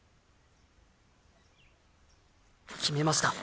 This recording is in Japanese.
決めました。